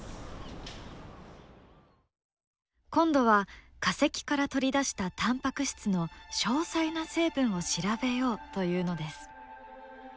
今度は化石から取り出したタンパク質の詳細な成分を調べようというのです。